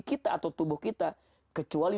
kita atau tubuh kita kecuali